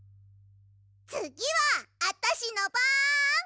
つぎはあたしのばん！